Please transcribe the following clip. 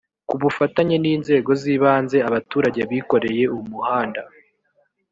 kubufatanye n inzego z ibanze abaturage bikoreye umuhanda